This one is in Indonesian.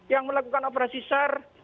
yang melakukan operasi sar